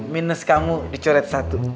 minus kamu dicoret satu